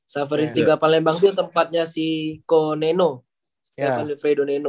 saferis tiga palembang itu tempatnya si ko neno steven lefredo neno